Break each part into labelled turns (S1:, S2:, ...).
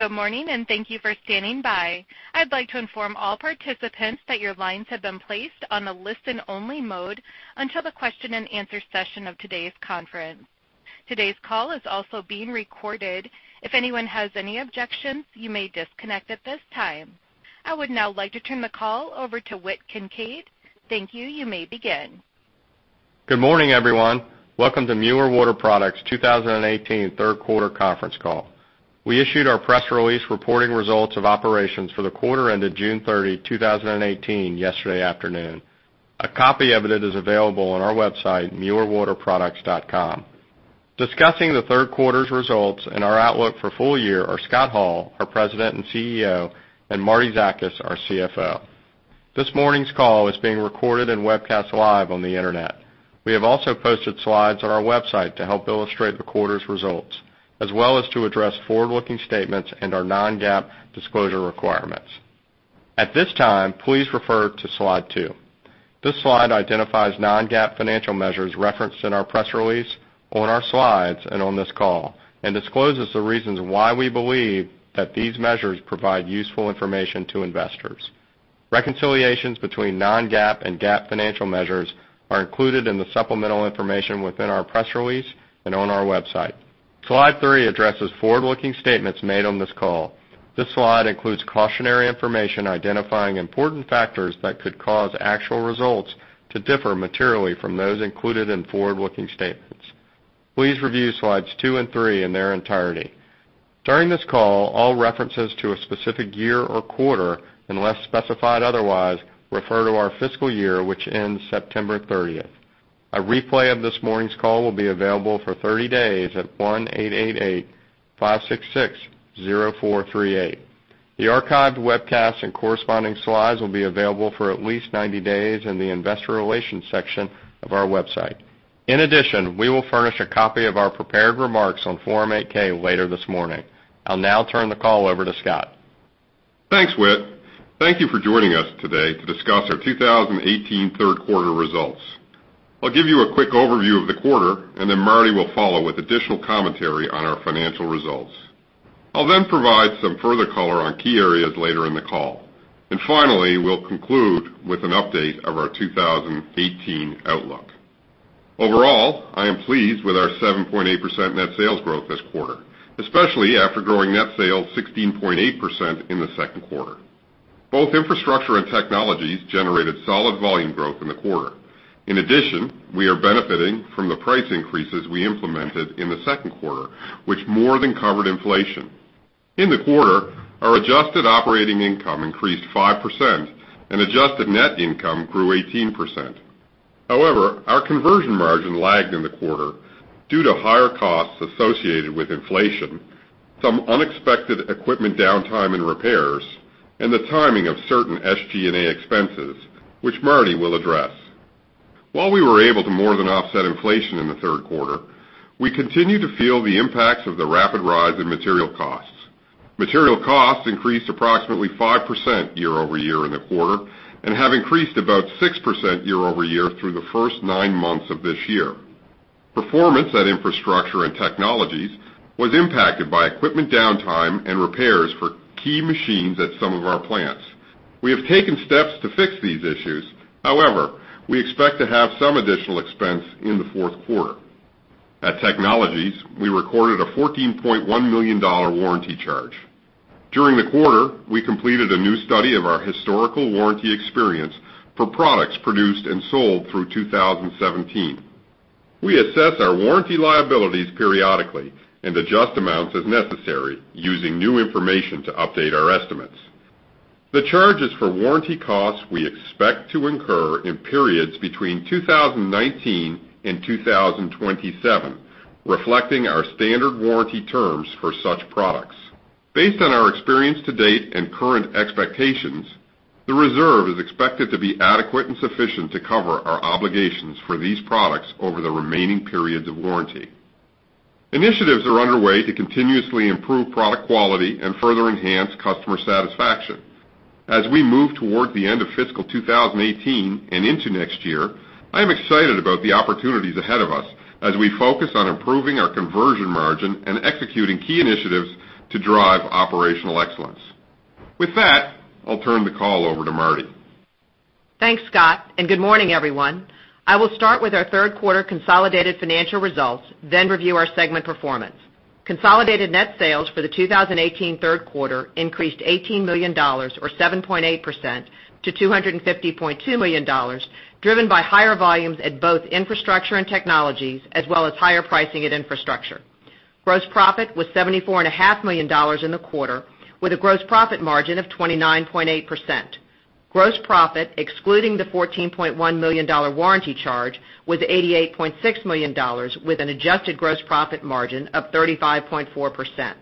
S1: Good morning, and thank you for standing by. I would like to inform all participants that your lines have been placed on a listen-only mode until the question-and-answer session of today's conference. Today's call is also being recorded. If anyone has any objections, you may disconnect at this time. I would now like to turn the call over to Whit Kincaid. Thank you. You may begin.
S2: Good morning, everyone. Welcome to Mueller Water Products' 2018 third quarter conference call. We issued our press release reporting results of operations for the quarter ended June 30, 2018 yesterday afternoon. A copy of it is available on our website, muellerwaterproducts.com. Discussing the third quarter's results and our outlook for full year are Scott Hall, our President and CEO, and Marty Zakas, our CFO. This morning's call is being recorded and webcast live on the internet. We have also posted slides on our website to help illustrate the quarter's results, as well as to address forward-looking statements and our non-GAAP disclosure requirements. At this time, please refer to Slide 2. This slide identifies non-GAAP financial measures referenced in our press release, on our slides, and on this call, and discloses the reasons why we believe that these measures provide useful information to investors. Reconciliations between non-GAAP and GAAP financial measures are included in the supplemental information within our press release and on our website. Slide 3 addresses forward-looking statements made on this call. This slide includes cautionary information identifying important factors that could cause actual results to differ materially from those included in forward-looking statements. Please review Slides 2 and 3 in their entirety. During this call, all references to a specific year or quarter, unless specified otherwise, refer to our fiscal year, which ends September 30. A replay of this morning's call will be available for 30 days at 1-888-566-0438. The archived webcast and corresponding slides will be available for at least 90 days in the investor relations section of our website. In addition, we will furnish a copy of our prepared remarks on Form 8-K later this morning. I will now turn the call over to Scott.
S3: Thanks, Whit. Thank you for joining us today to discuss our 2018 third quarter results. I will give you a quick overview of the quarter, and Marty will follow with additional commentary on our financial results. I will then provide some further color on key areas later in the call. Finally, we will conclude with an update of our 2018 outlook. Overall, I am pleased with our 7.8% net sales growth this quarter, especially after growing net sales 16.8% in the second quarter. Both Infrastructure and Technologies generated solid volume growth in the quarter. In addition, we are benefiting from the price increases we implemented in the second quarter, which more than covered inflation. In the quarter, our adjusted operating income increased 5% and adjusted net income grew 18%. Our conversion margin lagged in the quarter due to higher costs associated with inflation, some unexpected equipment downtime and repairs, and the timing of certain SG&A expenses, which Marty will address. While we were able to more than offset inflation in the third quarter, we continue to feel the impacts of the rapid rise in material costs. Material costs increased approximately 5% year-over-year in the quarter and have increased about 6% year-over-year through the first nine months of this year. Performance at Infrastructure and Technologies was impacted by equipment downtime and repairs for key machines at some of our plants. We have taken steps to fix these issues. We expect to have some additional expense in the fourth quarter. At Technologies, we recorded a $14.1 million warranty charge. During the quarter, we completed a new study of our historical warranty experience for products produced and sold through 2017. We assess our warranty liabilities periodically and adjust amounts as necessary using new information to update our estimates. The charge is for warranty costs we expect to incur in periods between 2019 and 2027, reflecting our standard warranty terms for such products. Based on our experience to date and current expectations, the reserve is expected to be adequate and sufficient to cover our obligations for these products over the remaining periods of warranty. Initiatives are underway to continuously improve product quality and further enhance customer satisfaction. As we move toward the end of fiscal 2018 and into next year, I am excited about the opportunities ahead of us as we focus on improving our conversion margin and executing key initiatives to drive operational excellence. With that, I'll turn the call over to Marty.
S4: Thanks, Scott, and good morning, everyone. I will start with our third quarter consolidated financial results, then review our segment performance. Consolidated net sales for the 2018 third quarter increased $18 million or 7.8% to $250.2 million, driven by higher volumes at both Infrastructure and Technologies, as well as higher pricing at Infrastructure. Gross profit was $74.5 million in the quarter with a gross profit margin of 29.8%. Gross profit, excluding the $14.1 million warranty charge, was $88.6 million with an adjusted gross profit margin of 35.4%.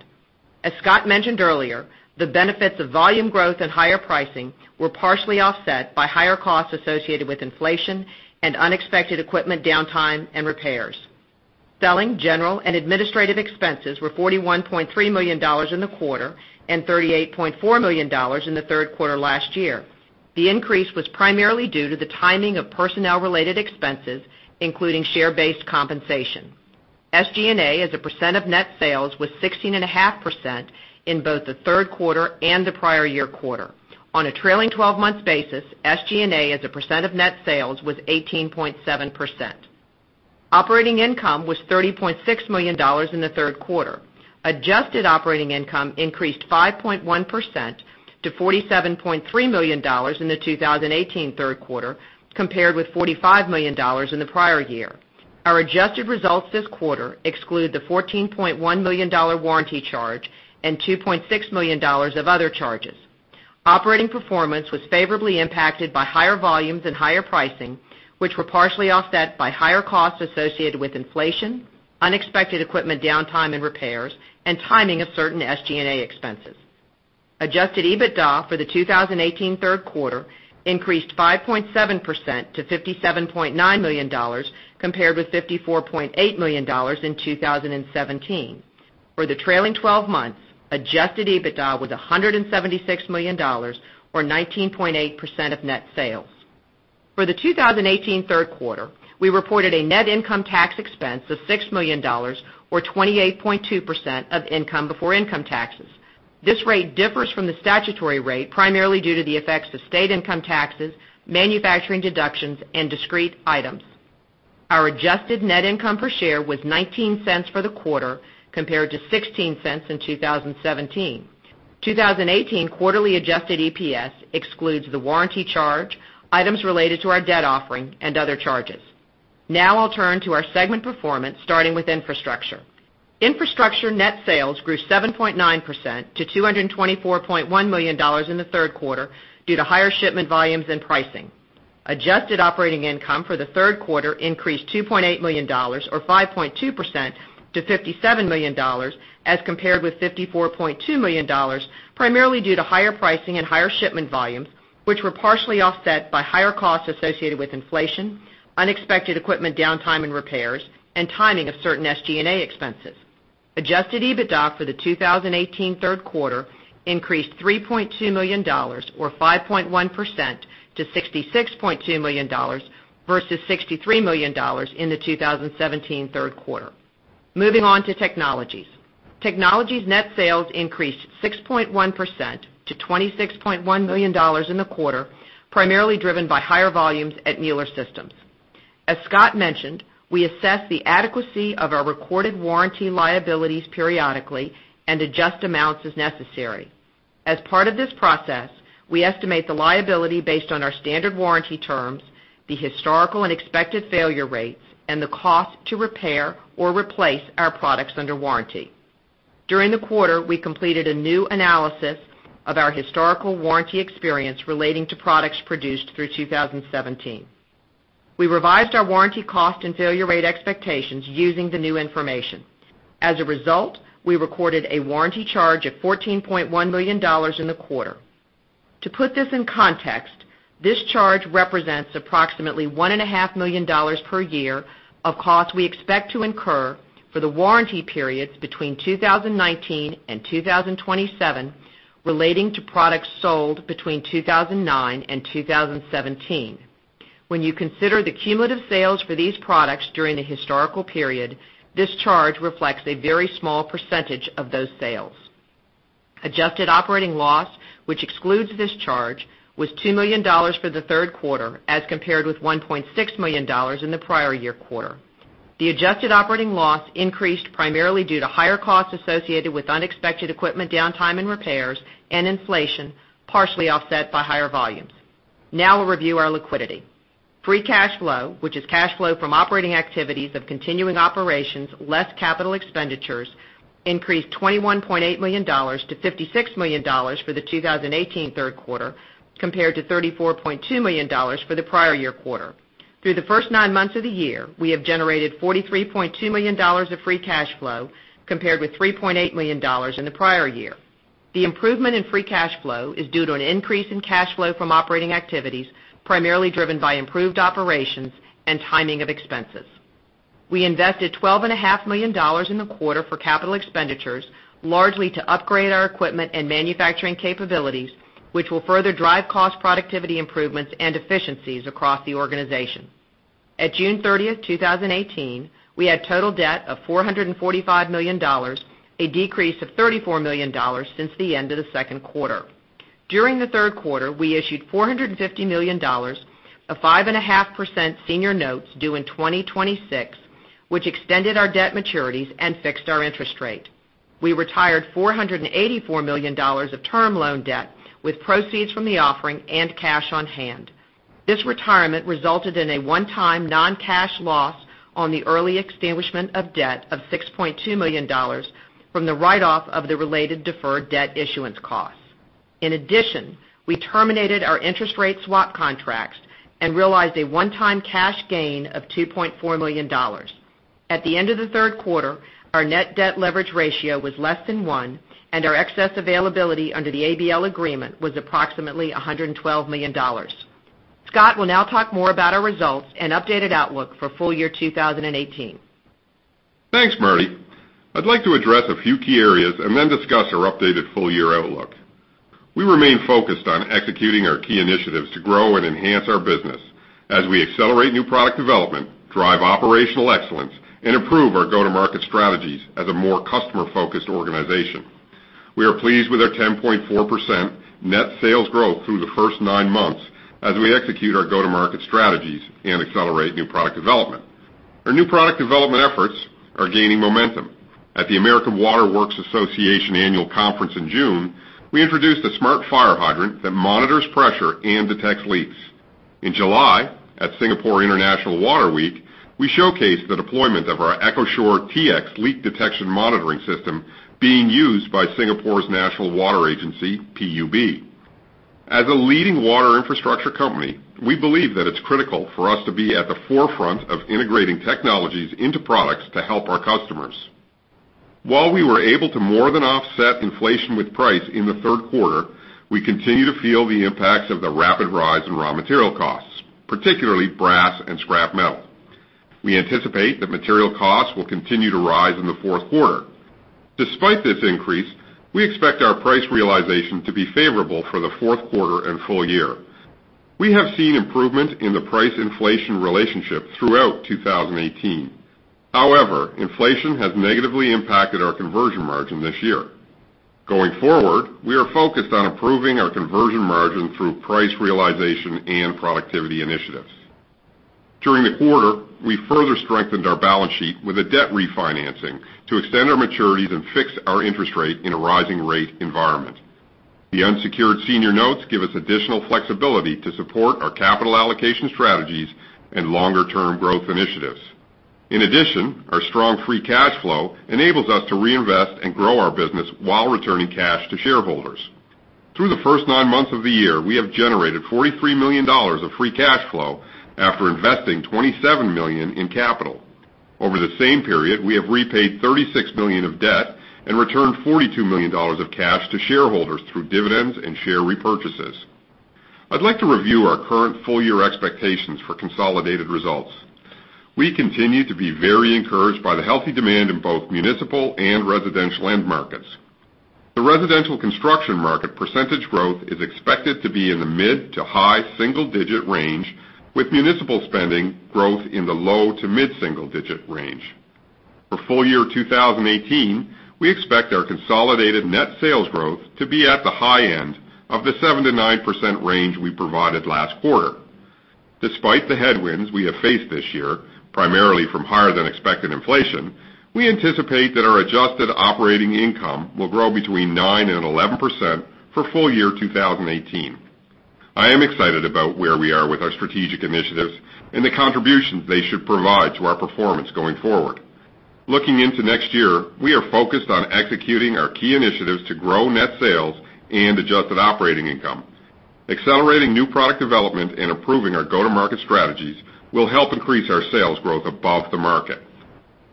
S4: As Scott mentioned earlier, the benefits of volume growth and higher pricing were partially offset by higher costs associated with inflation and unexpected equipment downtime and repairs. Selling, general, and administrative expenses were $41.3 million in the quarter and $38.4 million in the third quarter last year. The increase was primarily due to the timing of personnel-related expenses, including share-based compensation. SG&A as a % of net sales was 16.5% in both the third quarter and the prior year quarter. On a trailing 12-month basis, SG&A as a % of net sales was 18.7%. Operating income was $30.6 million in the third quarter. Adjusted operating income increased 5.1% to $47.3 million in the 2018 third quarter, compared with $45 million in the prior year. Our adjusted results this quarter exclude the $14.1 million warranty charge and $2.6 million of other charges. Operating performance was favorably impacted by higher volumes and higher pricing, which were partially offset by higher costs associated with inflation, unexpected equipment downtime and repairs, and timing of certain SG&A expenses. Adjusted EBITDA for the 2018 third quarter increased 5.7% to $57.9 million, compared with $54.8 million in 2017. For the trailing 12 months, adjusted EBITDA was $176 million, or 19.8% of net sales. For the 2018 third quarter, we reported a net income tax expense of $6 million, or 28.2% of income before income taxes. This rate differs from the statutory rate, primarily due to the effects of state income taxes, manufacturing deductions, and discrete items. Our adjusted net income per share was $0.19 for the quarter, compared to $0.16 in 2017. 2018 quarterly adjusted EPS excludes the warranty charge, items related to our debt offering, and other charges. I'll turn to our segment performance, starting with Infrastructure. Infrastructure net sales grew 7.9% to $224.1 million in the third quarter due to higher shipment volumes and pricing. Adjusted operating income for the third quarter increased $2.8 million, or 5.2%, to $57 million, as compared with $54.2 million, primarily due to higher pricing and higher shipment volumes, which were partially offset by higher costs associated with inflation, unexpected equipment downtime and repairs, and timing of certain SG&A expenses. Adjusted EBITDA for the 2018 third quarter increased $3.2 million, or 5.1%, to $66.2 million versus $63 million in the 2017 third quarter. Moving on to Technologies. Technologies net sales increased 6.1% to $26.1 million in the quarter, primarily driven by higher volumes at Mueller Systems. As Scott mentioned, we assess the adequacy of our recorded warranty liabilities periodically and adjust amounts as necessary. As part of this process, we estimate the liability based on our standard warranty terms, the historical and expected failure rates, and the cost to repair or replace our products under warranty. During the quarter, we completed a new analysis of our historical warranty experience relating to products produced through 2017. We revised our warranty cost and failure rate expectations using the new information. As a result, we recorded a warranty charge of $14.1 million in the quarter. To put this in context, this charge represents approximately $1.5 million per year of costs we expect to incur for the warranty periods between 2019 and 2027 relating to products sold between 2009 and 2017. When you consider the cumulative sales for these products during the historical period, this charge reflects a very small % of those sales. Adjusted operating loss, which excludes this charge, was $2 million for the third quarter as compared with $1.6 million in the prior year quarter. The adjusted operating loss increased primarily due to higher costs associated with unexpected equipment downtime and repairs and inflation, partially offset by higher volumes. We'll review our liquidity. Free cash flow, which is cash flow from operating activities of continuing operations less capital expenditures, increased $21.8 million to $56 million for the 2018 third quarter, compared to $34.2 million for the prior year quarter. Through the first nine months of the year, we have generated $43.2 million of free cash flow, compared with $3.8 million in the prior year. The improvement in free cash flow is due to an increase in cash flow from operating activities, primarily driven by improved operations and timing of expenses. We invested $12.5 million in the quarter for capital expenditures, largely to upgrade our equipment and manufacturing capabilities, which will further drive cost productivity improvements and efficiencies across the organization. At June 30, 2018, we had total debt of $445 million, a decrease of $34 million since the end of the second quarter. During the third quarter, we issued $450 million of 5.5% senior notes due in 2026, which extended our debt maturities and fixed our interest rate. We retired $484 million of term loan debt with proceeds from the offering and cash on hand. This retirement resulted in a one-time non-cash loss on the early extinguishment of debt of $6.2 million from the write-off of the related deferred debt issuance costs. In addition, we terminated our interest rate swap contracts and realized a one-time cash gain of $2.4 million. At the end of the third quarter, our net debt leverage ratio was less than one, and our excess availability under the ABL agreement was approximately $112 million. Scott will now talk more about our results and updated outlook for full year 2018.
S3: Thanks, Marty. I'd like to address a few key areas and then discuss our updated full-year outlook. We remain focused on executing our key initiatives to grow and enhance our business as we accelerate new product development, drive operational excellence, and improve our go-to-market strategies as a more customer-focused organization. We are pleased with our 10.4% net sales growth through the first nine months as we execute our go-to-market strategies and accelerate new product development. Our new product development efforts are gaining momentum. At the American Water Works Association annual conference in June, we introduced a smart fire hydrant that monitors pressure and detects leaks. In July, at Singapore International Water Week, we showcased the deployment of our EchoShore-TX leak detection monitoring system being used by Singapore's national water agency, PUB. As a leading water infrastructure company, we believe that it's critical for us to be at the forefront of integrating technologies into products to help our customers. While we were able to more than offset inflation with price in the third quarter, we continue to feel the impacts of the rapid rise in raw material costs, particularly brass and scrap metal. We anticipate that material costs will continue to rise in the fourth quarter. Despite this increase, we expect our price realization to be favorable for the fourth quarter and full year. We have seen improvement in the price inflation relationship throughout 2018. However, inflation has negatively impacted our conversion margin this year. Going forward, we are focused on improving our conversion margin through price realization and productivity initiatives. During the quarter, we further strengthened our balance sheet with a debt refinancing to extend our maturities and fix our interest rate in a rising rate environment. The unsecured senior notes give us additional flexibility to support our capital allocation strategies and longer-term growth initiatives. In addition, our strong free cash flow enables us to reinvest and grow our business while returning cash to shareholders. Through the first nine months of the year, we have generated $43 million of free cash flow after investing $27 million in capital. Over the same period, we have repaid $36 million of debt and returned $42 million of cash to shareholders through dividends and share repurchases. I'd like to review our current full-year expectations for consolidated results. We continue to be very encouraged by the healthy demand in both municipal and residential end markets. The residential construction market percentage growth is expected to be in the mid to high single-digit range, with municipal spending growth in the low to mid single-digit range. For full year 2018, we expect our consolidated net sales growth to be at the high end of the 7%-9% range we provided last quarter. Despite the headwinds we have faced this year, primarily from higher than expected inflation, we anticipate that our adjusted operating income will grow between 9% and 11% for full year 2018. I am excited about where we are with our strategic initiatives and the contributions they should provide to our performance going forward. Looking into next year, we are focused on executing our key initiatives to grow net sales and adjusted operating income. Accelerating new product development and improving our go-to-market strategies will help increase our sales growth above the market.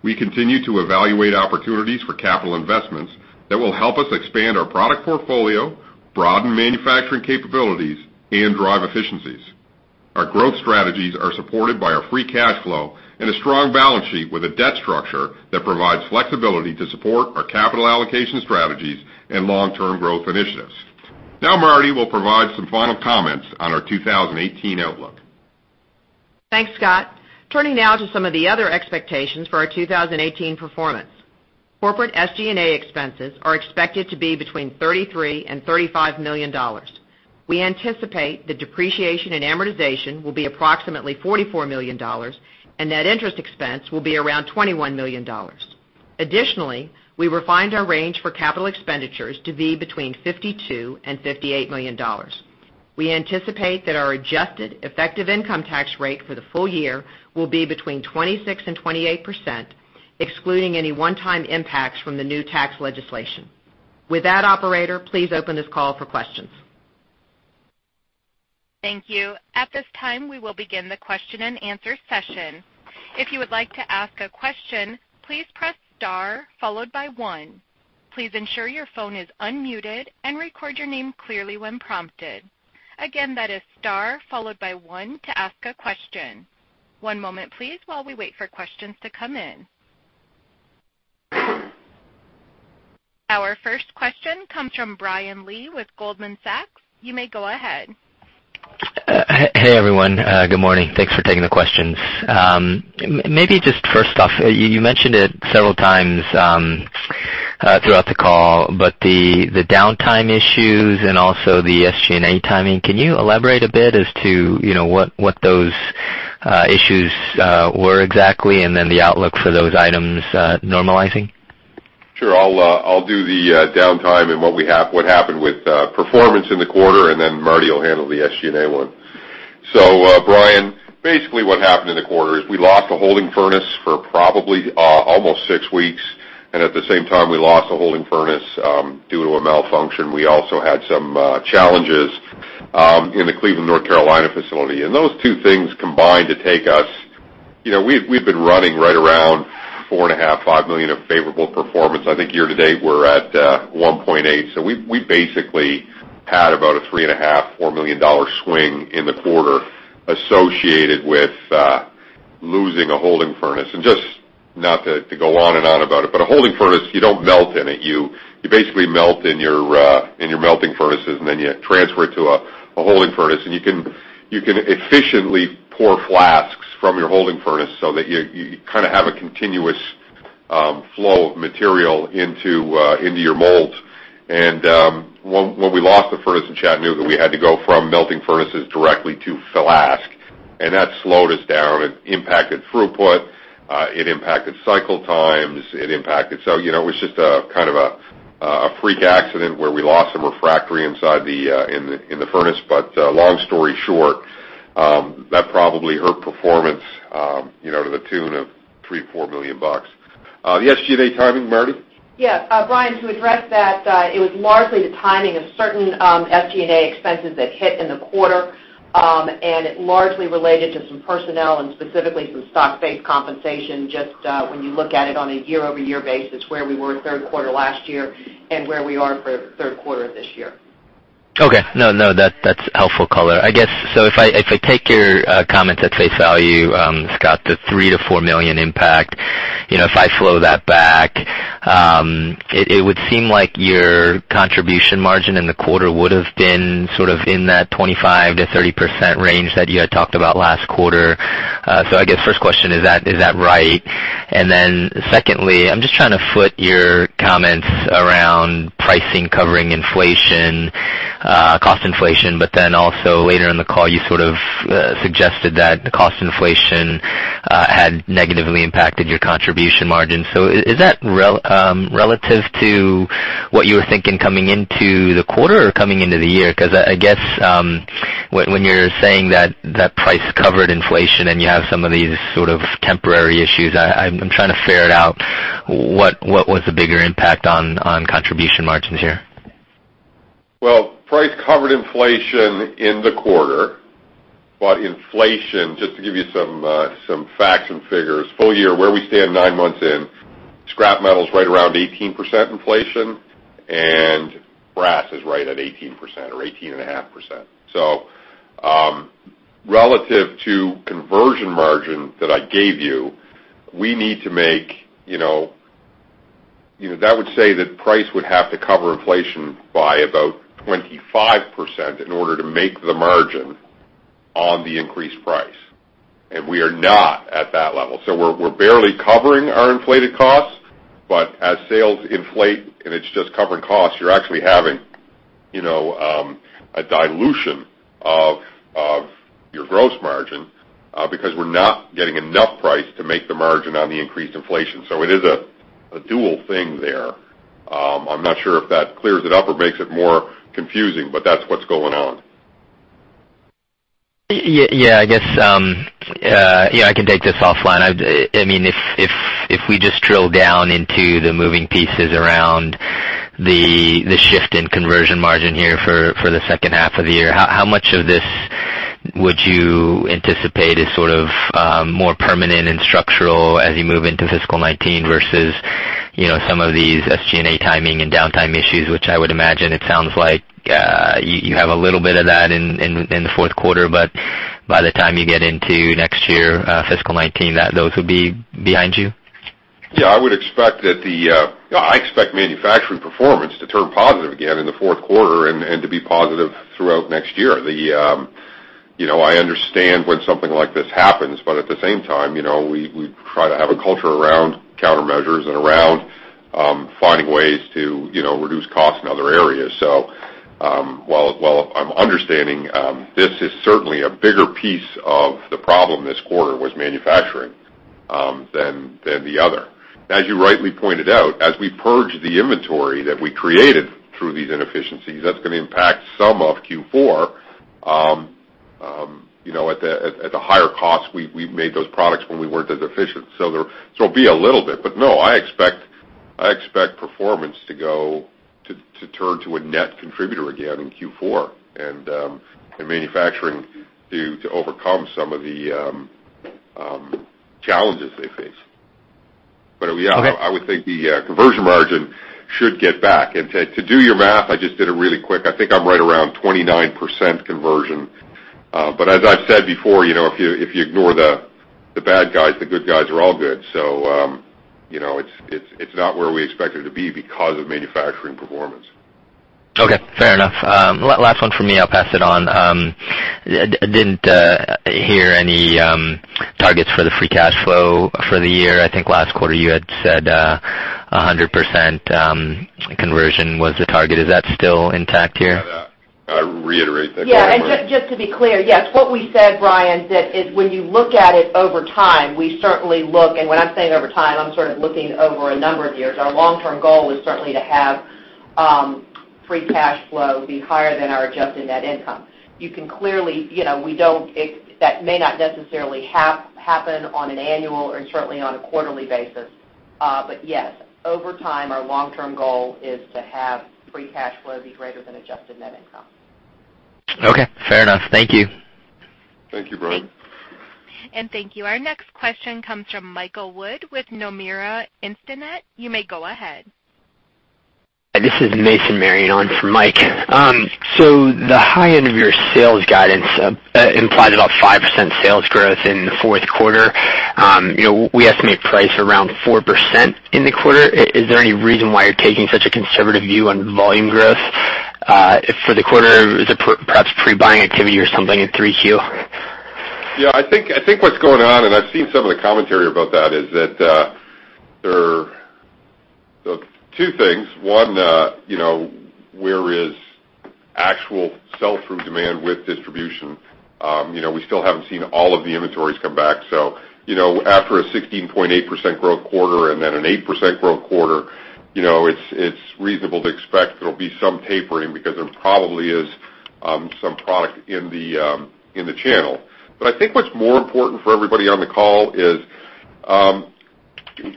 S3: We continue to evaluate opportunities for capital investments that will help us expand our product portfolio, broaden manufacturing capabilities, and drive efficiencies. Our growth strategies are supported by our free cash flow and a strong balance sheet with a debt structure that provides flexibility to support our capital allocation strategies and long-term growth initiatives. Marty will provide some final comments on our 2018 outlook.
S4: Thanks, Scott. Turning now to some of the other expectations for our 2018 performance. Corporate SG&A expenses are expected to be between $33 million and $35 million. We anticipate that depreciation and amortization will be approximately $44 million, and net interest expense will be around $21 million. Additionally, we refined our range for capital expenditures to be between $52 million and $58 million. We anticipate that our adjusted effective income tax rate for the full year will be between 26% and 28%, excluding any one-time impacts from the new tax legislation. With that, operator, please open this call for questions.
S1: Thank you. At this time, we will begin the question and answer session. If you would like to ask a question, please press star followed by one. Please ensure your phone is unmuted and record your name clearly when prompted. Again, that is star followed by one to ask a question. One moment, please, while we wait for questions to come in. Our first question comes from Brian Lee with Goldman Sachs. You may go ahead.
S5: Hey, everyone. Good morning. Thanks for taking the questions. Maybe just first off, you mentioned it several times throughout the call, but the downtime issues and also the SG&A timing, can you elaborate a bit as to what those issues were exactly and then the outlook for those items normalizing?
S3: Sure. I'll do the downtime and what happened with performance in the quarter, and then Marty will handle the SG&A one. Brian, basically what happened in the quarter is we lost a holding furnace for probably almost six weeks, and at the same time we lost a holding furnace due to a malfunction. We also had some challenges in the Cleveland, North Carolina facility. Those two things combined to take us-- We'd been running right around $4.5 million-$5 million of favorable performance. I think year to date, we're at $1.8 million. We basically had about a $3.5 million-$4 million swing in the quarter associated with losing a holding furnace. Just not to go on and on about it, but a holding furnace, you don't melt in it. You basically melt in your melting furnaces, and then you transfer it to a holding furnace, and you can efficiently pour flasks from your holding furnace so that you kind of have a continuous flow of material into your mold. When we lost the furnace in Chattanooga, we had to go from melting furnaces directly to flask, and that slowed us down. It impacted throughput, it impacted cycle times. It was just a freak accident where we lost some refractory inside in the furnace. Long story short, that probably hurt performance to the tune of $3 million-$4 million. The SG&A timing, Marty?
S4: Yes. Brian, to address that, it was largely the timing of certain SG&A expenses that hit in the quarter, and it largely related to some personnel and specifically some stock-based compensation, just when you look at it on a year-over-year basis, where we were third quarter last year and where we are for third quarter of this year.
S5: No, that's helpful color. I guess, if I take your comments at face value, Scott, the $3 million-$4 million impact, if I flow that back, it would seem like your contribution margin in the quarter would've been sort of in that 25%-30% range that you had talked about last quarter. I guess first question, is that right? Secondly, I'm just trying to foot your comments around pricing covering inflation, cost inflation, also later in the call, you sort of suggested that the cost inflation had negatively impacted your contribution margin. Is that relative to what you were thinking coming into the quarter or coming into the year? I guess, when you're saying that price covered inflation and you have some of these sort of temporary issues, I'm trying to ferret out what was the bigger impact on contribution margins here?
S3: Well, price covered inflation in the quarter. Inflation, just to give you some facts and figures, full year, where we stand nine months in, scrap metal's right around 18% inflation, and brass is right at 18% or 18.5%. Relative to conversion margin that I gave you, that would say that price would have to cover inflation by about 25% in order to make the margin on the increased price. We are not at that level. We're barely covering our inflated costs, but as sales inflate and it's just covering costs, you're actually having a dilution of your gross margin, because we're not getting enough price to make the margin on the increased inflation. It is a dual thing there. I'm not sure if that clears it up or makes it more confusing, but that's what's going on.
S5: Yeah, I guess, I can take this offline. If we just drill down into the moving pieces around the shift in conversion margin here for the second half of the year, how much of this would you anticipate is sort of more permanent and structural as you move into fiscal 2019 versus some of these SG&A timing and downtime issues, which I would imagine it sounds like you have a little bit of that in the fourth quarter, but by the time you get into next year, fiscal 2019, that those will be behind you?
S3: Yeah, I expect manufacturing performance to turn positive again in the fourth quarter and to be positive throughout next year. I understand when something like this happens, at the same time, we try to have a culture around countermeasures and around finding ways to reduce costs in other areas. While I'm understanding, this is certainly a bigger piece of the problem this quarter was manufacturing, than the other. As you rightly pointed out, as we purge the inventory that we created through these inefficiencies, that's going to impact some of Q4. At the higher cost, we made those products when we weren't as efficient. It'll be a little bit, no, I expect performance to turn to a net contributor again in Q4, and manufacturing to overcome some of the challenges they face. I would think the conversion margin should get back. To do your math, I just did it really quick, I think I'm right around 29% conversion. As I've said before, if you ignore the bad guys, the good guys are all good. It's not where we expect it to be because of manufacturing performance.
S5: Okay, fair enough. Last one from me. I'll pass it on. I didn't hear any targets for the free cash flow for the year. I think last quarter you had said 100% conversion was the target. Is that still intact here?
S3: I reiterate that. Go ahead, Marty.
S4: Just to be clear, yes. What we said, Brian, that when you look at it over time, we certainly look, and when I'm saying over time, I'm sort of looking over a number of years. Our long-term goal is certainly to have free cash flow be higher than our adjusted net income. That may not necessarily happen on an annual or certainly on a quarterly basis. Yes, over time, our long-term goal is to have free cash flow be greater than adjusted net income.
S5: Okay, fair enough. Thank you.
S3: Thank you, Brian.
S1: Thank you. Our next question comes from Michael Wood with Nomura Instinet. You may go ahead.
S6: This is Mason Marion on for Mike. The high end of your sales guidance implied about 5% sales growth in the fourth quarter. We estimate price around 4% in the quarter. Is there any reason why you're taking such a conservative view on volume growth for the quarter? Is it perhaps pre-buying activity or something in 3Q?
S3: Yeah, I think what's going on, and I've seen some of the commentary about that, is that there are two things. One, where is actual sell-through demand with distribution? We still haven't seen all of the inventories come back. After a 16.8% growth quarter and then an 8% growth quarter, it's reasonable to expect there'll be some tapering because there probably is some product in the channel. I think what's more important for everybody on the call is,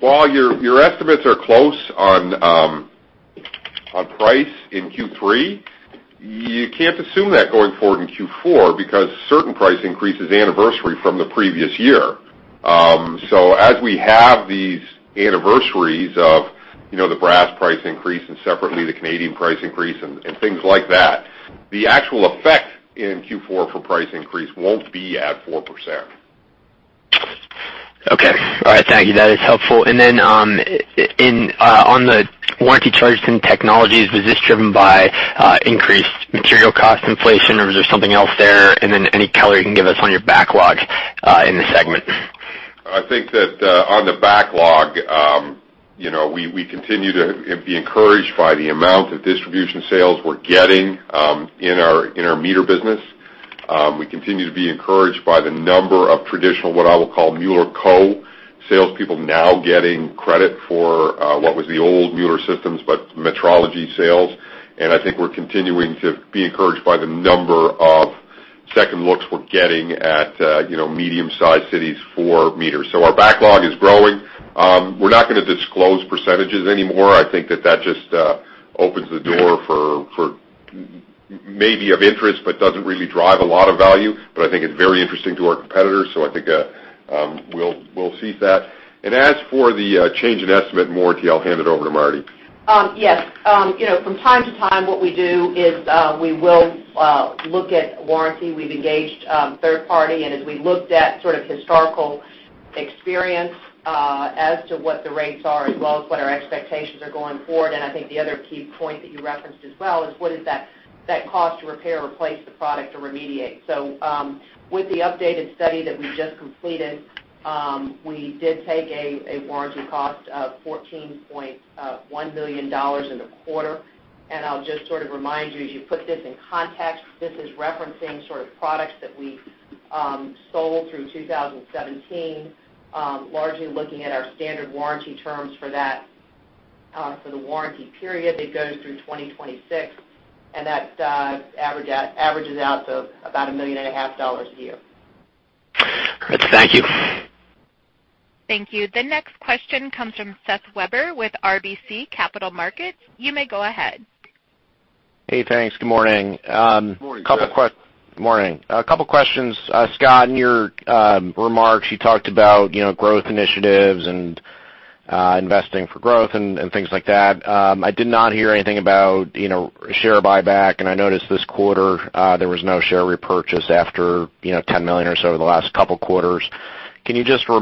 S3: while your estimates are close on price in Q3, you can't assume that going forward in Q4 because certain price increases anniversary from the previous year. As we have these anniversaries of the brass price increase and separately the Canadian price increase and things like that, the actual effect in Q4 for price increase won't be at 4%.
S6: Okay. All right. Thank you. That is helpful. Then, on the warranty charges and Technologies, was this driven by increased material cost inflation, or was there something else there? Then any color you can give us on your backlog in the segment?
S3: I think that on the backlog, we continue to be encouraged by the amount of distribution sales we're getting in our meter business. We continue to be encouraged by the number of traditional, what I will call Mueller Co. salespeople now getting credit for what was the old Mueller Systems, but metrology sales. I think we're continuing to be encouraged by the number of second looks we're getting at medium-sized cities for meters. Our backlog is growing. We're not going to disclose % anymore. I think that just opens the door for maybe of interest, but doesn't really drive a lot of value. I think it's very interesting to our competitors. I think we'll cease that. As for the change in estimate and warranty, I'll hand it over to Marty.
S4: Yes. From time to time, what we do is we will look at warranty. We've engaged third party, as we looked at sort of historical experience as to what the rates are as well as what our expectations are going forward, I think the other key point that you referenced as well is what is that cost to repair or replace the product or remediate? With the updated study that we just completed, we did take a warranty cost of $14.1 million in the quarter. I'll just sort of remind you, as you put this in context, this is referencing sort of products that we sold through 2017, largely looking at our standard warranty terms for the warranty period that goes through 2026, and that averages out to about a million and a half dollars a year.
S6: Great. Thank you.
S1: Thank you. The next question comes from Seth Weber with RBC Capital Markets. You may go ahead.
S7: Hey, thanks. Good morning.
S3: Good morning, Seth.
S7: Morning. A couple questions. Scott, in your remarks, you talked about growth initiatives and investing for growth and things like that. I did not hear anything about share buyback, and I noticed this quarter, there was no share repurchase after $10 million or so over the last couple quarters. Can you just give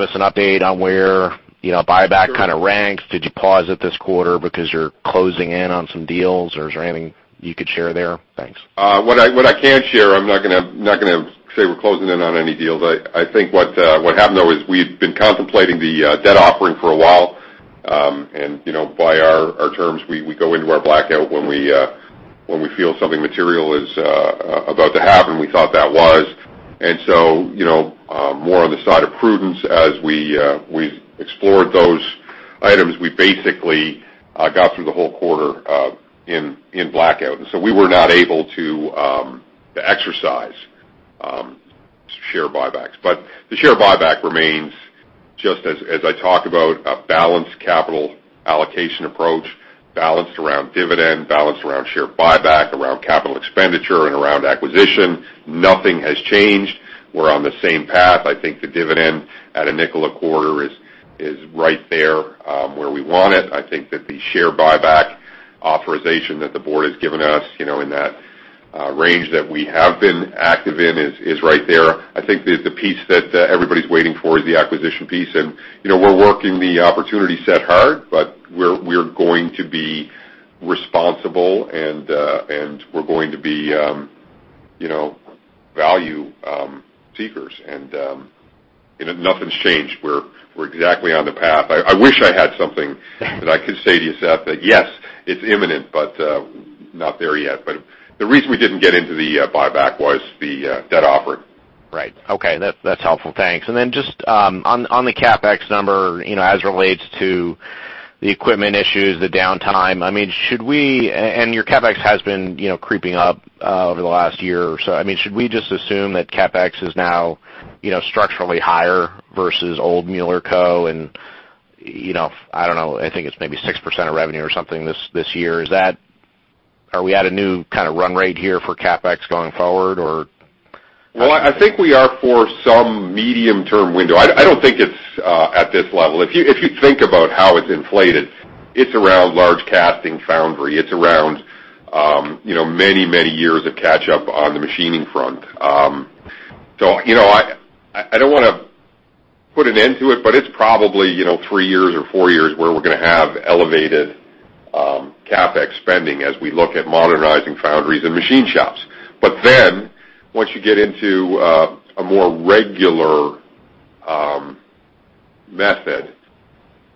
S7: us an update on where buyback kind of ranks? Did you pause it this quarter because you're closing in on some deals, or is there anything you could share there? Thanks.
S3: What I can share, I'm not going to say we're closing in on any deals. I think what happened, though, is we had been contemplating the debt offering for a while, and by our terms, we go into our blackout when we feel something material is about to happen. We thought that was. More on the side of prudence as we explored those items, we basically got through the whole quarter in blackout. We were not able to exercise share buybacks. The share buyback remains just as I talk about a balanced capital allocation approach, balanced around dividend, balanced around share buyback, around capital expenditure and around acquisition. Nothing has changed. We're on the same path. I think the dividend at a nickel a quarter is right there where we want it. I think that the share buyback authorization that the board has given us in that range that we have been active in is right there. I think the piece that everybody's waiting for is the acquisition piece. We're working the opportunity set hard, but we're going to be responsible. We're going to be value seekers. Nothing's changed. We're exactly on the path. I wish I had something that I could say to you, Seth, that yes, it's imminent, but not there yet. The reason we didn't get into the buyback was the debt offering.
S7: Right. Okay. That's helpful. Thanks. Just on the CapEx number as it relates to the equipment issues, the downtime, your CapEx has been creeping up over the last year or so. Should we just assume that CapEx is now structurally higher versus old Mueller Co and, I don't know, I think it's maybe 6% of revenue or something this year. Are we at a new kind of run rate here for CapEx going forward or?
S3: Well, I think we are for some medium-term window. I don't think it's at this level. If you think about how it's inflated, it's around large casting foundry, it's around many years of catch-up on the machining front. I don't want to put an end to it, but it's probably three years or four years where we're going to have elevated CapEx spending as we look at modernizing foundries and machine shops. Once you get into a more regular method,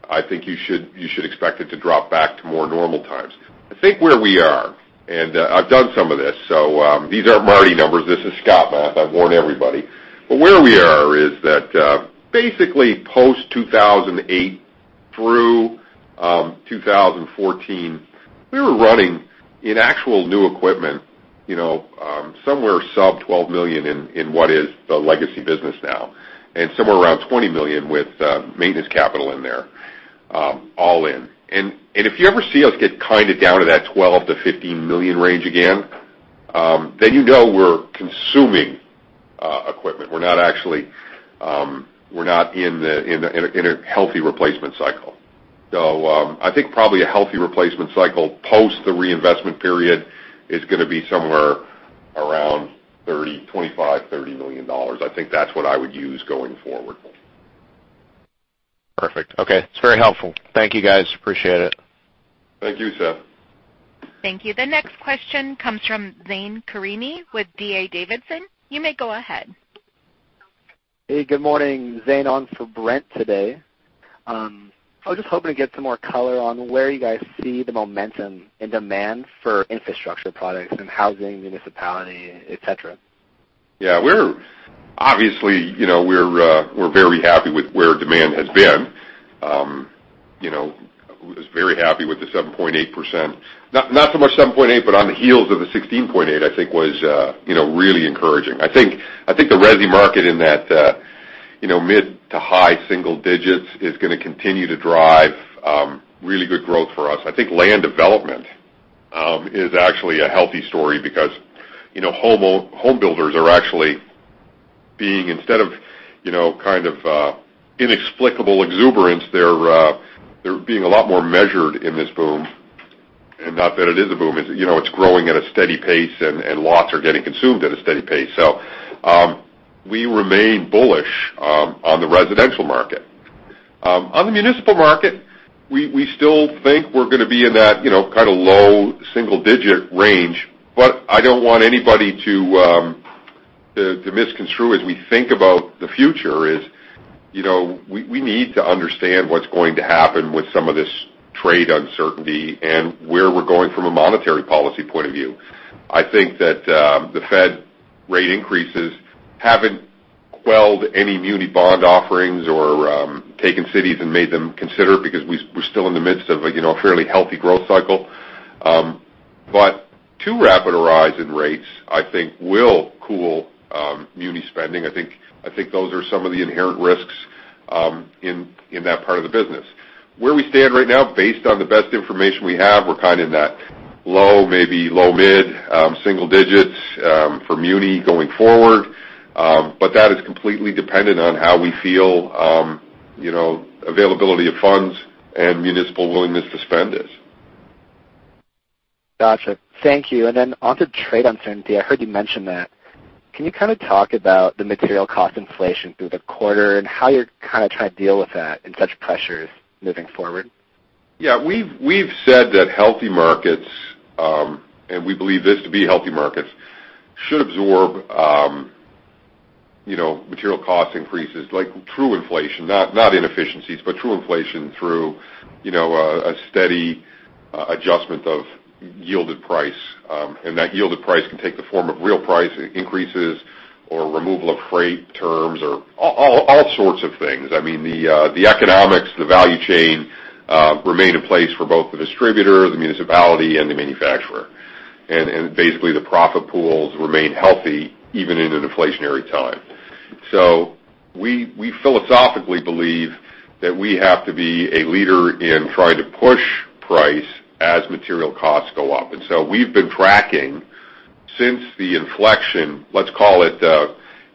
S3: I think you should expect it to drop back to more normal times. I think where we are, and I've done some of this, so these aren't Marty numbers, this is Scott math, I've warned everybody. Where we are is that basically post 2008 through 2014, we were running in actual new equipment, somewhere sub $12 million in what is the legacy business now, somewhere around $20 million with maintenance capital in there, all in. If you ever see us get kind of down to that $12 million-$15 million range again, then you know we're consuming equipment. We're not in a healthy replacement cycle. I think probably a healthy replacement cycle post the reinvestment period is going to be somewhere around $25 million-$30 million. I think that's what I would use going forward.
S7: Perfect. Okay. It's very helpful. Thank you, guys. Appreciate it.
S3: Thank you, Seth.
S1: Thank you. The next question comes from Zane Karimi with D.A. Davidson. You may go ahead.
S8: Hey, good morning. Zane on for Brent today. I was just hoping to get some more color on where you guys see the momentum and demand for Infrastructure products in housing, municipality, et cetera.
S3: Obviously, we're very happy with where demand has been. Was very happy with the 7.8%. Not so much 7.8%, but on the heels of the 16.8%, I think was really encouraging. I think the resi market in that mid to high single digits is going to continue to drive really good growth for us. I think land development is actually a healthy story because home builders are actually being, instead of inexplicable exuberance, they're being a lot more measured in this boom. Not that it is a boom, it's growing at a steady pace, and lots are getting consumed at a steady pace. We remain bullish on the residential market. On the municipal market, we still think we're going to be in that kind of low single-digit range. I don't want anybody to misconstrue as we think about the future is, we need to understand what's going to happen with some of this trade uncertainty and where we're going from a monetary policy point of view. I think that the Fed rate increases haven't quelled any muni bond offerings or taken cities and made them consider because we're still in the midst of a fairly healthy growth cycle. Too rapid a rise in rates, I think, will cool muni spending. I think those are some of the inherent risks in that part of the business. Where we stand right now, based on the best information we have, we're kind of in that low, maybe low mid single digits for muni going forward. That is completely dependent on how we feel availability of funds and municipal willingness to spend is.
S8: Got you. Thank you. Then on to trade uncertainty, I heard you mention that. Can you kind of talk about the material cost inflation through the quarter and how you're kind of trying to deal with that and such pressures moving forward?
S3: Yeah. We've said that healthy markets, and we believe this to be healthy markets, should absorb material cost increases, like true inflation, not inefficiencies, but true inflation through a steady adjustment of yielded price. That yielded price can take the form of real price increases or removal of freight terms or all sorts of things. The economics and the value chain remain in place for both the distributor, the municipality, and the manufacturer. Basically, the profit pools remain healthy even in an inflationary time. We philosophically believe that we have to be a leader in trying to push price as material costs go up. We've been tracking since the inflection, let's call it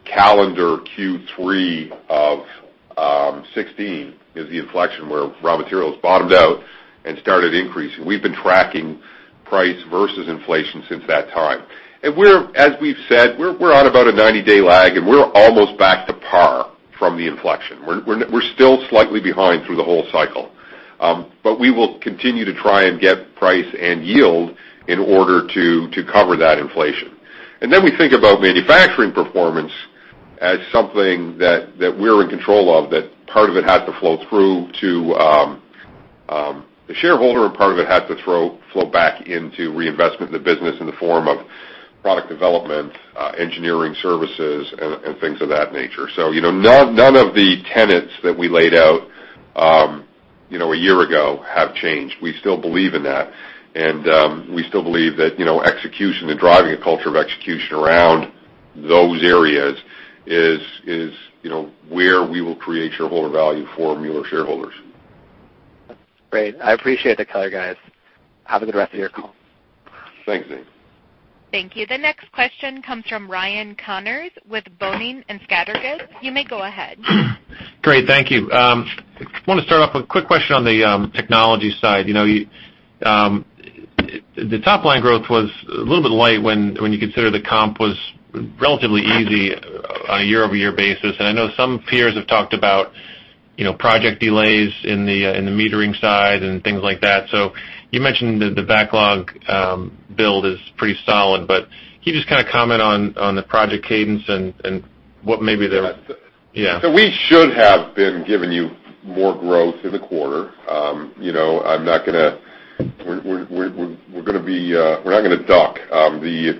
S3: calendar Q3 of 2016 is the inflection where raw materials bottomed out and started increasing. We've been tracking price versus inflation since that time. As we've said, we're on about a 90-day lag, and we're almost back to par from the inflection. We're still slightly behind through the whole cycle. We will continue to try and get price and yield in order to cover that inflation. We think about manufacturing performance as something that we're in control of, that part of it has to flow through to the shareholder and part of it has to flow back into reinvestment in the business in the form of product development, engineering services, and things of that nature. None of the tenets that we laid out a year ago have changed. We still believe in that, and we still believe that execution and driving a culture of execution around those areas is where we will create shareholder value for Mueller shareholders.
S8: That's great. I appreciate the color, guys. Have a good rest of your call.
S3: Thanks, Zane.
S1: Thank you. The next question comes from Ryan Connors with Boenning & Scattergood. You may go ahead.
S9: Great. Thank you. I want to start off with a quick question on the technology side. The top-line growth was a little bit light when you consider the comp was relatively easy on a year-over-year basis. I know some peers have talked about project delays in the metering side and things like that. You mentioned the backlog build is pretty solid, but can you just comment on the project cadence and what maybe they're
S3: Yes.
S9: Yeah.
S3: We should have been giving you more growth in the quarter. We're not going to duck. The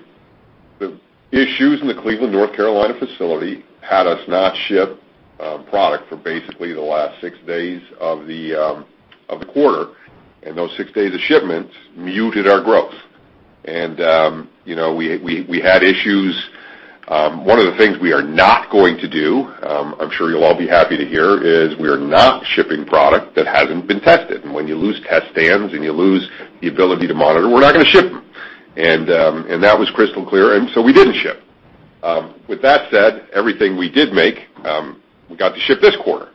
S3: issues in the Cleveland, North Carolina facility had us not ship product for basically the last six days of the quarter, and those six days of shipments muted our growth. We had issues. One of the things we are not going to do, I'm sure you'll all be happy to hear, is we are not shipping product that hasn't been tested. When you lose test stands and you lose the ability to monitor, we're not going to ship them. That was crystal clear, and so we didn't ship. With that said, everything we did make, we got to ship this quarter.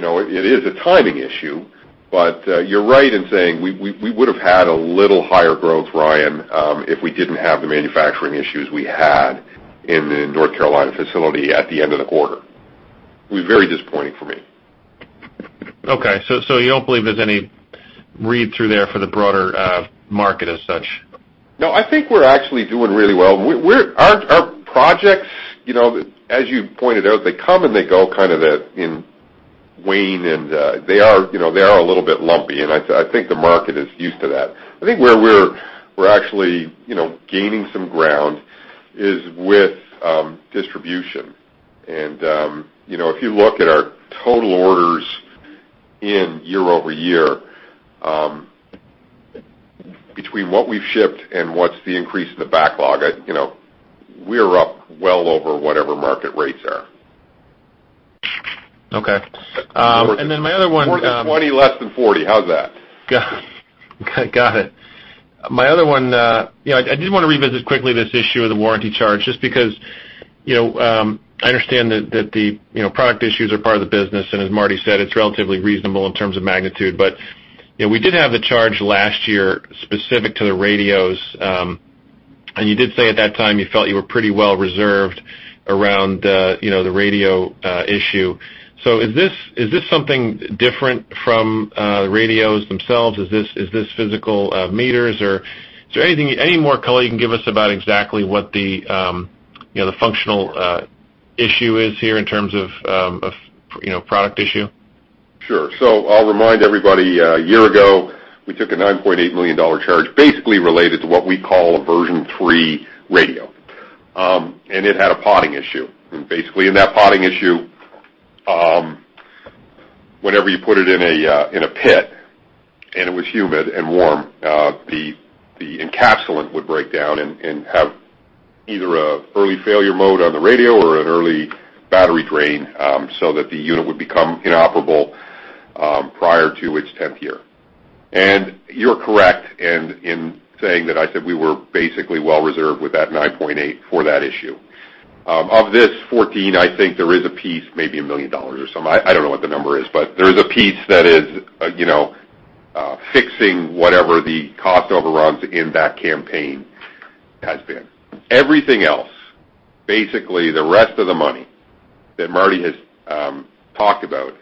S3: It is a timing issue, but you're right in saying we would've had a little higher growth, Ryan, if we didn't have the manufacturing issues we had in the North Carolina facility at the end of the quarter. It was very disappointing for me.
S9: Okay. You don't believe there's any read-through there for the broader market as such?
S3: No, I think we're actually doing really well. Our projects, as you pointed out, they come and they go kind of in wane, and they are a little bit lumpy, and I think the market is used to that. I think where we're actually gaining some ground is with distribution. If you look at our total orders in year-over-year, between what we've shipped and what's the increase in the backlog, we are up well over whatever market rates are.
S9: Okay.
S3: More than 20, less than 40. How's that?
S9: Got it. My other one, I did want to revisit quickly this issue of the warranty charge, just because I understand that the product issues are part of the business, and as Marty said, it's relatively reasonable in terms of magnitude. We did have the charge last year specific to the radios. You did say at that time you felt you were pretty well reserved around the radio issue. Is this something different from the radios themselves? Is this physical meters, or is there any more color you can give us about exactly what the functional issue is here in terms of product issue?
S3: Sure. I'll remind everybody, a year ago, we took a $9.8 million charge basically related to what we call a version 3 radio. It had a potting issue. Basically in that potting issue, whenever you put it in a pit and it was humid and warm, the encapsulant would break down and have either an early failure mode on the radio or an early battery drain so that the unit would become inoperable prior to its 10th year. You're correct in saying that I said we were basically well reserved with that $9.8 for that issue. Of this $14, I think there is a piece, maybe $1 million or something, I don't know what the number is, but there is a piece that is fixing whatever the cost overruns in that campaign has been. Everything else, basically the rest of the money that Marty has talked about,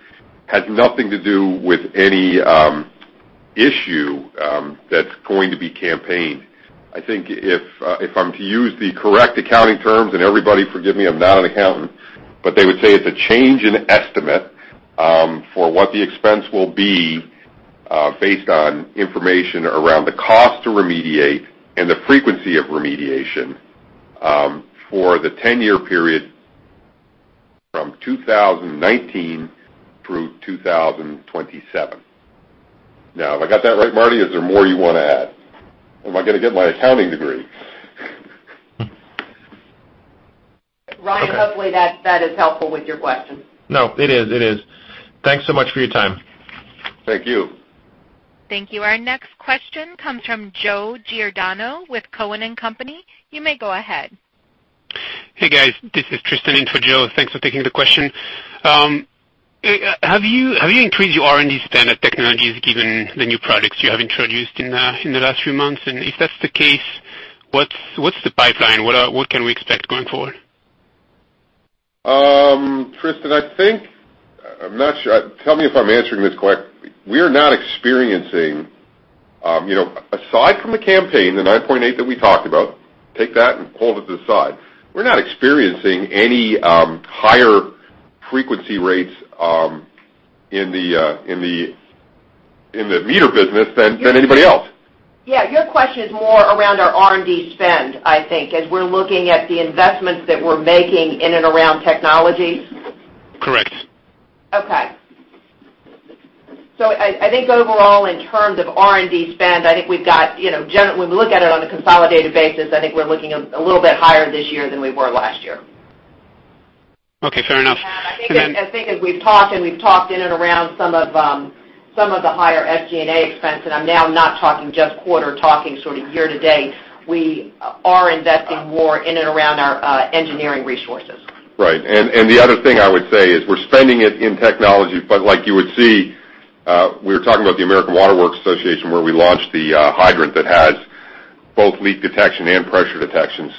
S3: has nothing to do with any issue that's going to be campaigned. I think if I'm to use the correct accounting terms, and everybody forgive me, I'm not an accountant, but they would say it's a change in estimate for what the expense will be based on information around the cost to remediate and the frequency of remediation for the 10-year period from 2019 through 2027. Have I got that right, Marty? Is there more you want to add? Am I going to get my accounting degree?
S4: Ryan, hopefully that is helpful with your question.
S9: No, it is. Thanks so much for your time.
S3: Thank you.
S1: Thank you. Our next question comes from Joseph Giordano with Cowen and Company. You may go ahead.
S10: Hey, guys. This is Tristan in for Joseph. Thanks for taking the question. Have you increased your R&D spend at Technologies given the new products you have introduced in the last few months? If that's the case, what's the pipeline? What can we expect going forward?
S3: Tristan, I think, I'm not sure. Tell me if I'm answering this correct. Aside from the campaign, the 9.8 that we talked about, take that and hold it to the side. We're not experiencing any higher frequency rates in the meter business than anybody else.
S4: Yeah. Your question is more around our R&D spend, I think, as we're looking at the investments that we're making in and around Technologies.
S10: Correct.
S4: Okay. I think overall in terms of R&D spend, when we look at it on a consolidated basis, I think we're looking a little bit higher this year than we were last year
S10: Okay, fair enough.
S4: I think as we've talked, we've talked in and around some of the higher SG&A expense. I'm now not talking just quarter, talking sort of year to date, we are investing more in and around our engineering resources.
S3: Right. The other thing I would say is we're spending it in technology, like you would see, we were talking about the American Water Works Association, where we launched the hydrant that has both leak detection and pressure detection.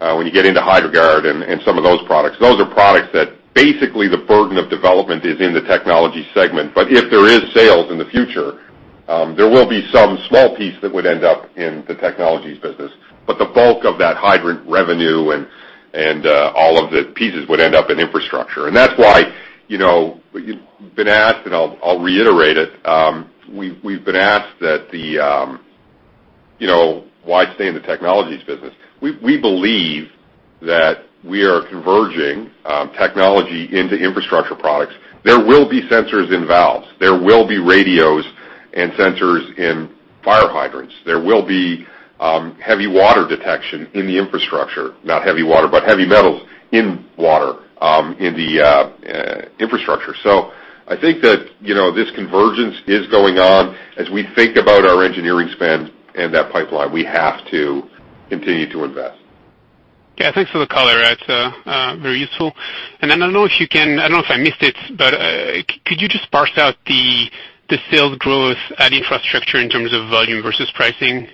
S3: When you get into Hydro-Guard and some of those products, those are products that basically the burden of development is in the Technologies segment. If there is sales in the future, there will be some small piece that would end up in the Technologies business. The bulk of that hydrant revenue and all of the pieces would end up in Infrastructure. That's why, you've been asked, I'll reiterate it, we've been asked why stay in the Technologies business? We believe that we are converging technology into Infrastructure products. There will be sensors in valves. There will be radios and sensors in fire hydrants. There will be heavy water detection in the Infrastructure. Not heavy water, but heavy metals in water, in the Infrastructure. I think that this convergence is going on as we think about our engineering spend and that pipeline, we have to continue to invest.
S10: Yeah, thanks for the color. That's very useful. Then I don't know if I missed it, could you just parse out the sales growth at Infrastructure in terms of volume versus pricing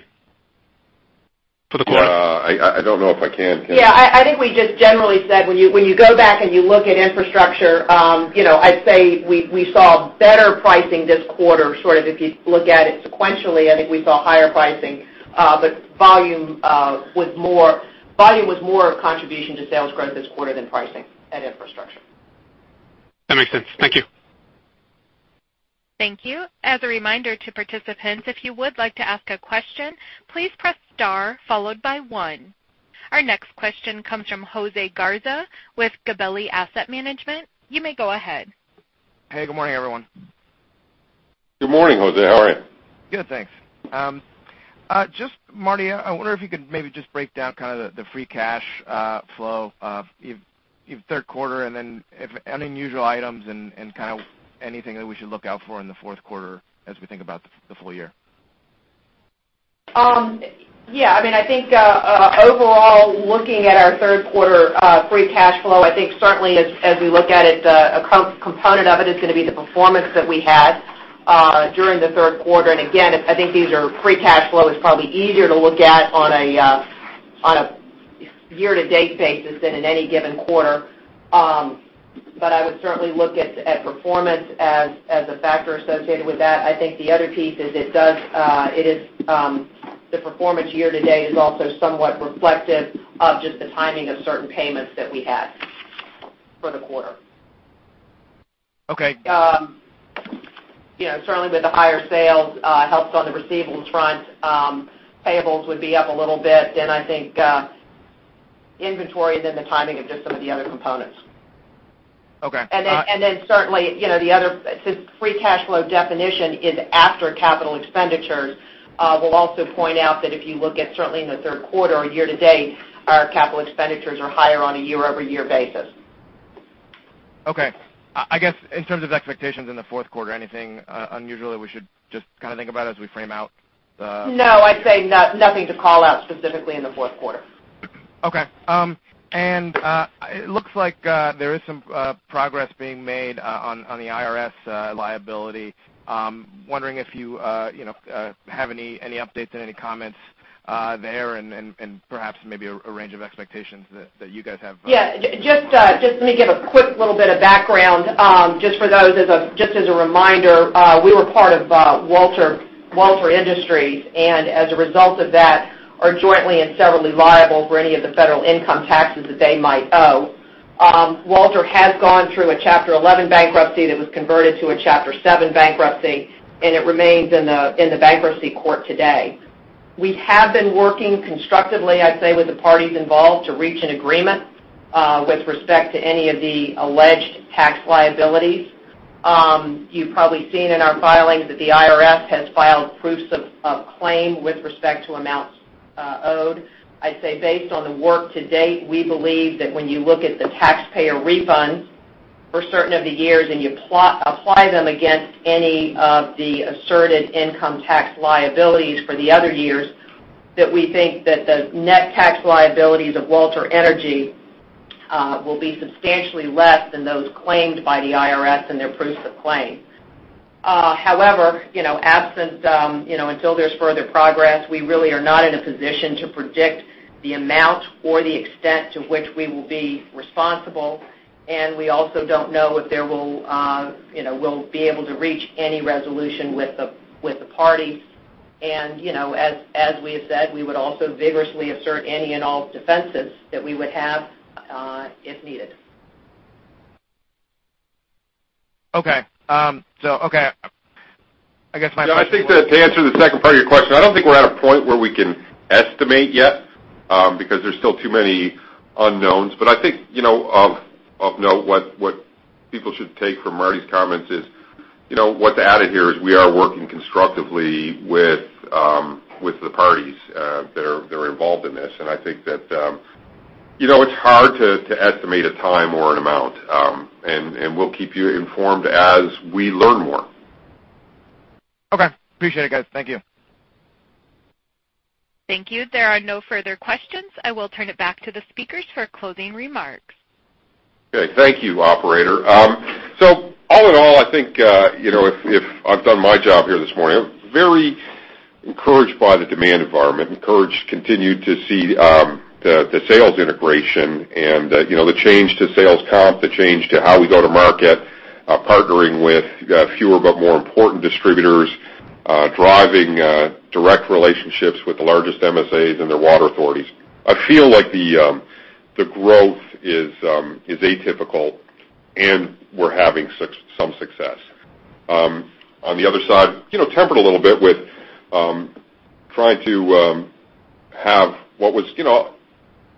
S10: for the quarter?
S3: I don't know if I can.
S4: Yeah. I think we just generally said, when you go back and you look at Infrastructure, I'd say we saw better pricing this quarter, sort of if you look at it sequentially, I think we saw higher pricing. Volume was more contribution to sales growth this quarter than pricing at Infrastructure.
S10: That makes sense. Thank you.
S1: Thank you. As a reminder to participants, if you would like to ask a question, please press star followed by one. Our next question comes from Jose Garza with GAMCO Asset Management. You may go ahead.
S11: Hey, good morning, everyone.
S3: Good morning, Jose. How are you?
S11: Good, thanks. Just, Marty, I wonder if you could maybe just break down kind of the free cash flow, third quarter, and then any unusual items and kind of anything that we should look out for in the fourth quarter as we think about the full year.
S4: Yeah. I think, overall, looking at our third quarter free cash flow, I think certainly as we look at it, a component of it is going to be the performance that we had during the third quarter. Again, I think free cash flow is probably easier to look at on a year-to-date basis than in any given quarter. I would certainly look at performance as a factor associated with that. I think the other piece is the performance year-to-date is also somewhat reflective of just the timing of certain payments that we had for the quarter.
S11: Okay.
S4: Certainly with the higher sales, helps on the receivables front. Payables would be up a little bit, then I think, inventory, then the timing of just some of the other components.
S11: Okay.
S4: Certainly, the other free cash flow definition is after capital expenditures. We'll also point out that if you look at certainly in the third quarter or year to date, our capital expenditures are higher on a year-over-year basis.
S11: Okay. I guess in terms of expectations in the fourth quarter, anything unusual we should just kind of think about?
S4: No, I'd say nothing to call out specifically in the fourth quarter.
S11: Okay. It looks like there is some progress being made on the IRS liability. Wondering if you have any updates and any comments there and perhaps maybe a range of expectations that you guys have?
S4: Yeah. Just let me give a quick little bit of background, just as a reminder, we were part of Walter Industries, and as a result of that, are jointly and severally liable for any of the federal income taxes that they might owe. Walter has gone through a Chapter 11 bankruptcy that was converted to a Chapter 7 bankruptcy, and it remains in the bankruptcy court today. We have been working constructively, I'd say, with the parties involved to reach an agreement with respect to any of the alleged tax liabilities. You've probably seen in our filings that the IRS has filed proofs of claim with respect to amounts owed. I'd say based on the work to date, we believe that when you look at the taxpayer refunds for certain of the years and you apply them against any of the asserted income tax liabilities for the other years, that we think that the net tax liabilities of Walter Energy will be substantially less than those claimed by the IRS and their proofs of claim. However, until there's further progress, we really are not in a position to predict the amount or the extent to which we will be responsible, and we also don't know if we'll be able to reach any resolution with the parties. As we have said, we would also vigorously assert any and all defenses that we would have if needed.
S11: Okay. Okay. I guess my question was.
S3: To answer the second part of your question, I don't think we're at a point where we can estimate yet, because there's still too many unknowns. I think of note what people should take from Marty's comments is What's added here is we are working constructively with the parties that are involved in this. I think that it's hard to estimate a time or an amount, and we'll keep you informed as we learn more.
S11: Okay. Appreciate it, guys. Thank you.
S1: Thank you. There are no further questions. I will turn it back to the speakers for closing remarks.
S3: Okay. Thank you, operator. All in all, I think if I've done my job here this morning, I'm very encouraged by the demand environment, encouraged, continue to see the sales integration and the change to sales comp, the change to how we go to market, partnering with fewer but more important distributors, driving direct relationships with the largest MSAs and their water authorities. I feel like the growth is atypical, and we're having some success. On the other side, tempered a little bit with trying to have what was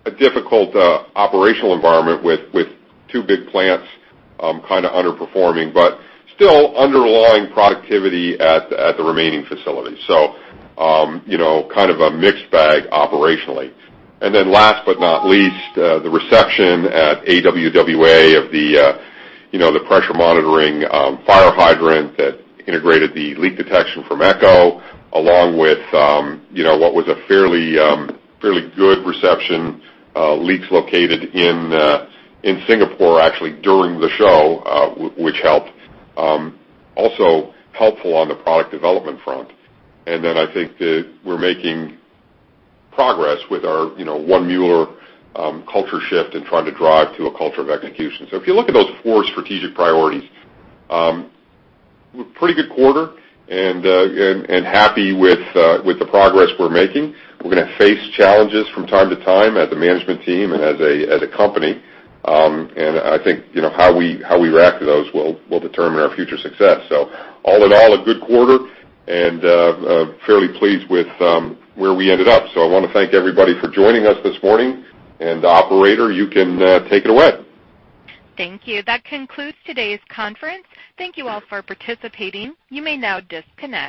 S3: a difficult operational environment with two big plants underperforming, but still underlying productivity at the remaining facilities. Kind of a mixed bag operationally. Last but not least, the reception at AWWA of the pressure monitoring fire hydrant that integrated the leak detection from Echologics, along with what was a fairly good reception, leaks located in Singapore, actually, during the show, which helped. Also helpful on the product development front. I think that we're making progress with our One Mueller culture shift and trying to drive to a culture of execution. If you look at those four strategic priorities, pretty good quarter, and happy with the progress we're making. We're going to face challenges from time to time as a management team and as a company. I think how we react to those will determine our future success. All in all, a good quarter, and fairly pleased with where we ended up. I want to thank everybody for joining us this morning. Operator, you can take it away.
S1: Thank you. That concludes today's conference. Thank you all for participating. You may now disconnect.